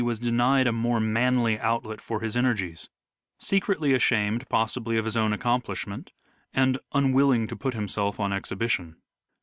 was denied a more manly outlet for his energies : secretly ashamed possibly of his own accomplishment and unwilling to put himself on exhioition.